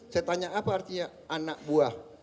saya tanya apa artinya anak buah